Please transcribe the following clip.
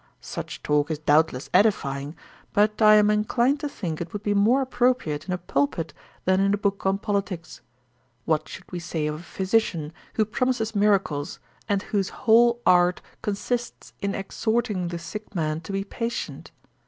Such talk is doubtless edifying, but I am inclined to think it would be more appropriate in a pulpit than in a book on politics. What should we say of a physician who promises miracles, and whose whole art consists in exhorting the sick man to be patient?